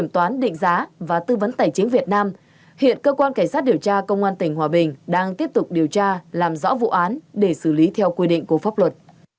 toán định giá và tư vấn tài chính việt nam hiện cơ quan cảnh sát điều tra công an tỉnh hòa bình đang tiếp tục điều tra làm rõ vụ án để xử lý theo quy định của pháp luật